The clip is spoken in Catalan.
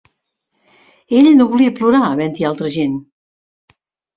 Ell no volia plorar havent-hi altra gent.